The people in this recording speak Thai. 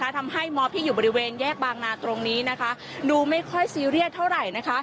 ทำให้มอบที่อยู่บริเวณแยกบางนาตรงนี้ดูไม่ค่อยซีเรียสเท่าไหร่